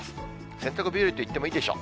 洗濯日和と言ってもいいでしょう。